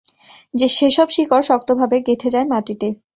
সেসব শিকড় শক্তভাবে গেঁথে যায় মাটিতে।